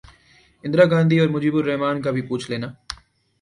اندرا گاندھی اور مجیب الر حمن کا بھی پوچھ لینا